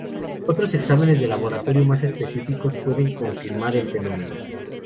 Otros exámenes de laboratorio más específicos pueden confirmar el fenómeno.